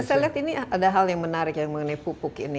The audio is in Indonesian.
saya lihat ini ada hal yang menarik yang mengenai pupuk ini